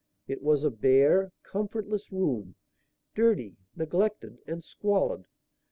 It was a bare, comfortless room, dirty, neglected and squalid.